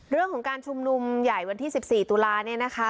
เรื่องของการชุมนุมใหญ่วันที่สิบสี่ตุลาที่นี่นะคะ